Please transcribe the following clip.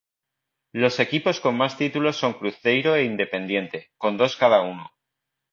Los equipos con más títulos son Cruzeiro e Independiente, con dos cada uno.